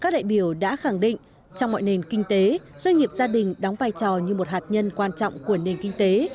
các đại biểu đã khẳng định trong mọi nền kinh tế doanh nghiệp gia đình đóng vai trò như một hạt nhân quan trọng của nền kinh tế